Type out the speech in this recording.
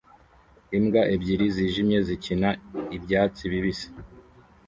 Imbwa ebyiri zijimye zikina ibyatsi bibisi